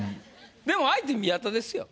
でも相手宮田ですよ。